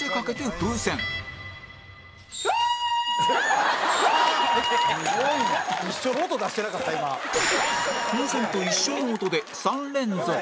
風船と一緒の音で３連続